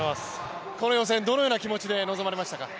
この予選、どのような気持ちで臨まれましたか？